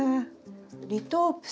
リトープス。